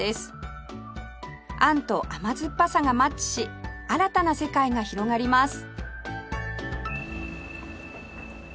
あんと甘酸っぱさがマッチし新たな世界が広がります